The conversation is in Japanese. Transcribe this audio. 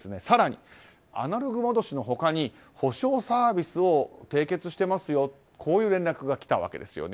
更に、アナログ戻しの他に補償サービスを締結してますよとこういう連絡が来たわけです。